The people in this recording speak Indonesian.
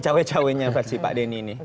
cewek ceweknya versi pak denny ini